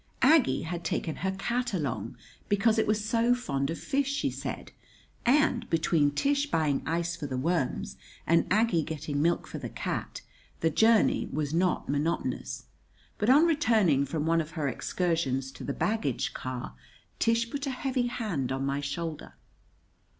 Aggie had taken her cat along because it was so fond of fish, she said. And, between Tish buying ice for the worms and Aggie getting milk for the cat, the journey was not monotonous; but on returning from one of her excursions to the baggage car, Tish put a heavy hand on my shoulder.